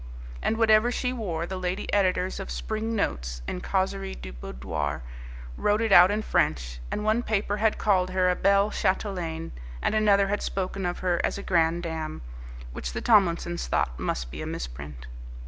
And whatever she wore, the lady editors of Spring Notes and Causerie du Boudoir wrote it out in French, and one paper had called her a belle chatelaine, and another had spoken of her as a grande dame, which the Tomlinsons thought must be a misprint.